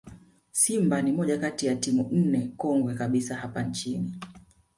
Simba ni moja kati ya timu nne kongwe kabisa hapa nchini